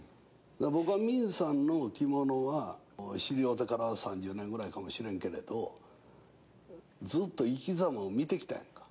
僕は泯さんの着物は知り合うてから３０年ぐらいかもしれんけれどずっと生き様を見てきたやんか。